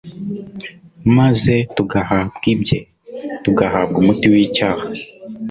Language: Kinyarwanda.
maze tugahabwa ibye, tugahabwa umuti w’icyaha